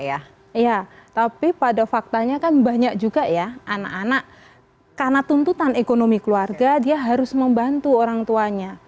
iya tapi pada faktanya kan banyak juga ya anak anak karena tuntutan ekonomi keluarga dia harus membantu orang tuanya